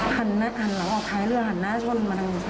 หันหลังหันหลังออกท้ายเรือหันหน้าชนมาดังนั้น